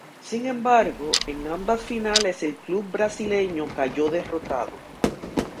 Sin embargo, en ambas finales el club brasileño cayó derrotado.